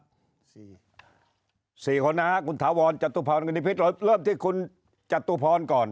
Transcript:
สี่สี่คนนะฮะคุณถาวรจตุพรคุณนิพิษเราเริ่มที่คุณจตุพรก่อน